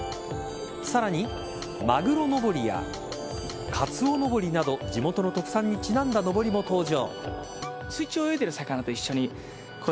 さらに、マグロのぼりやカツオのぼりなど地元の特産にちなんだのぼりも登場。